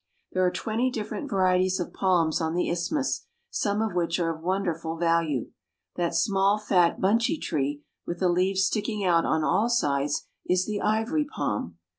There are twenty different varieties of palms on the isthmus, some of which are of wonderful value. That small, fat, bunchy tree, with the leaves sticking out on all sides, is the ivory palm.